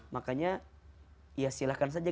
makanya ya silahkan saja